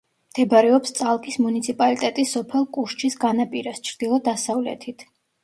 მდებარეობს წალკის მუნიციპალიტეტის სოფელ კუშჩის განაპირას, ჩრდილო-დასავლეთით.